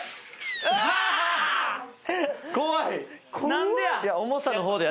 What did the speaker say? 何でや！